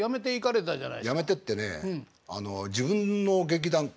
やめてってね自分の劇団。